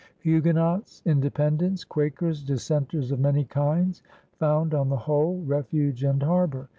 *' Huguenots, Independents, Quakers, dissenters of many kinds, found on the whole refuge and harbor.